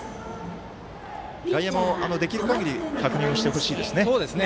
外野もできるかぎり確認をしてほしいですね。